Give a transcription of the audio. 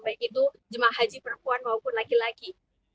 baik itu jemaah haji perempuan maupun laki laki